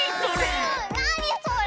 なにそれ？